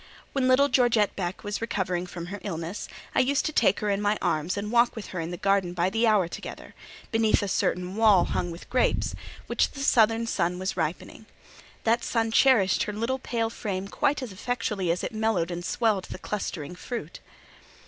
When little Georgette Beck was recovering from her illness, I used to take her in my arms and walk with her in the garden by the hour together, beneath a certain wall hung with grapes, which the Southern sun was ripening: that sun cherished her little pale frame quite as effectually as it mellowed and swelled the clustering fruit.